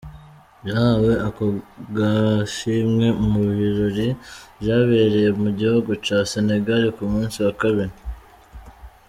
Yahawe ako gashimwe mu birori vyabereye mu gihugu ca Senegal ku musi wa kabiri.